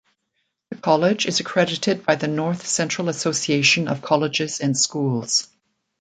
The college is accredited by the North Central Association of Colleges and Schools.